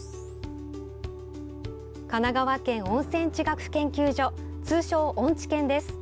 神奈川県温泉地学研究所通称・温地研です。